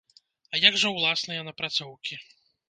А як жа ўласныя напрацоўкі?